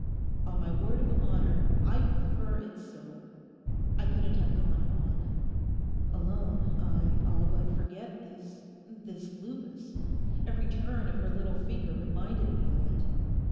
'On my word of honour, I prefer it so. I couldn't have gone on. Alone I all but forget this—this lupus. Every turn of her little finger reminded me of it.